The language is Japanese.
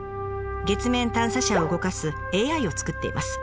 月面探査車を動かすＡＩを作っています。